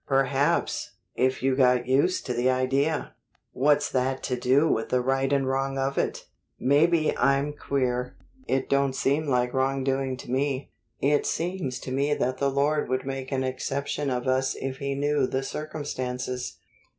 "Perhaps, if you got used to the idea " "What's that to do with the right and wrong of it?" "Maybe I'm queer. It don't seem like wrongdoing to me. It seems to me that the Lord would make an exception of us if He knew the circumstances.